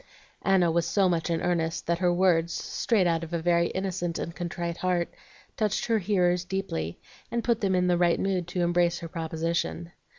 Anna was so much in earnest that her words, straight out of a very innocent and contrite heart, touched her hearers deeply, and put them into the right mood to embrace her proposition.